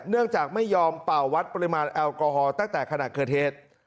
เนื่องจากไม่ยอมเป่าวัดปริมาณแอลกอฮอลตั้งแต่ขณะเกิดเหตุ